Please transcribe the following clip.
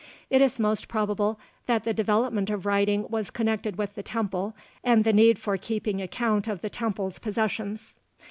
It is most probable that the development of writing was connected with the temple and the need for keeping account of the temple's possessions.